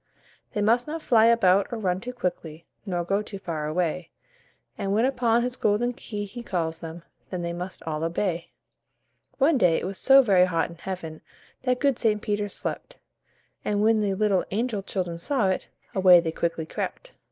They must not fly about or run too quickly, Nor go too far away, And when upon his golden key he calls them, Then they must all obey. One day it was so very hot in Heaven That good St. Peter slept, And when the little angel children saw it, Away they quickly crept.